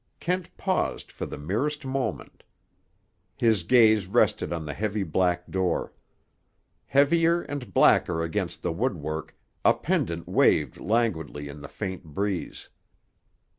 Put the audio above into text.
Kent paused for the merest moment. His gaze rested on the heavy black door. Heavier and blacker against the woodwork a pendant waved languidly in the faint breeze.